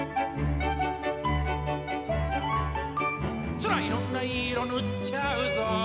「そらいろんないい色ぬっちゃうぞ」